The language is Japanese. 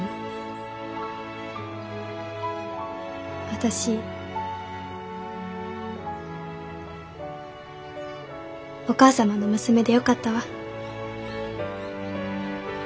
私お母様の娘でよかったわ。